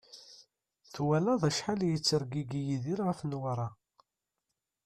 Twalaḍ acḥal i yettergigi Yidir ɣef Newwara?